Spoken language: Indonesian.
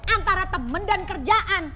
antara temen dan kerjaan